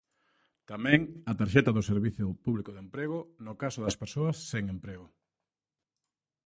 Tamén a tarxeta do Servizo Público de Emprego, no caso das persoas sen emprego.